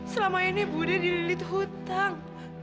selama ini budi dililit hutang